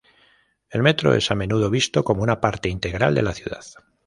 El metro es a menudo visto como una parte integral de la ciudad.